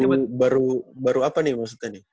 baru baru baru apa nih maksudnya nih